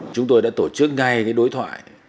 chúng tôi đã tổ chức ngay cái đối thoại